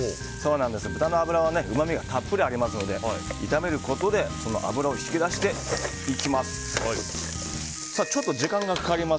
豚の脂はうまみがたっぷりありますので炒めることで脂をひきだしていきます。